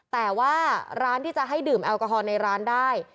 แต่ว่าร้านที่จะให้ดื่มแอลกอฮอลในร้านได้